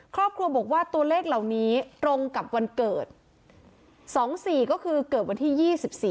ครอบครัวบอกว่าตัวเลขเหล่านี้ตรงกับวันเกิด๒๔ก็คือเกิดวันที่๒๔